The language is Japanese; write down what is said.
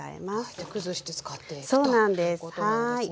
じゃあ崩して使っていくということなんですね。